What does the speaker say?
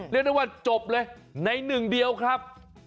เรียกได้ว่าจบเลยในหนึ่งเดียวครับ